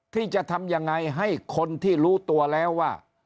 ที่จะทำยังไงให้คนที่รู้ตัวแล้วว่า